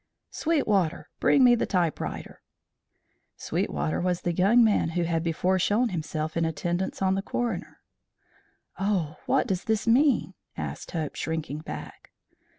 "Sweetwater, bring me the typewriter!" Sweetwater was the young man who had before shown himself in attendance on the coroner. "O, what does this mean?" asked Hope, shrinking back.